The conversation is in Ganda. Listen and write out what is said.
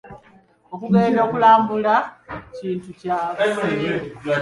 Okugenda okulambala kintu kya buseere.